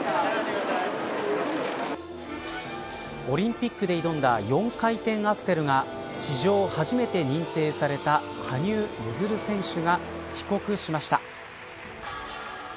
オリンピックで挑んだ４回転アクセルが史上初めて認定された羽生結弦選手が帰国しました。